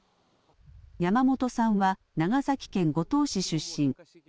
山本さんは長崎県五島市出身。